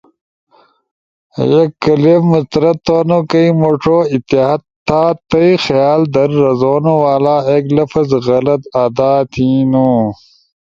یک کلپ مسترد تھونو کئی مݜو احتیاط تھا تھئی خیال در رزونو والا ایک لفظ غلط آدا تھینو،